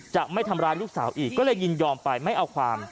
จะไม่ทำร้ายลูกสาวอีกก็เลยยินยอมไปไม่เอาความ